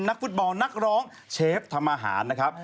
นักฟุตบอลนักร้องเชฟทำอาหารนะครับ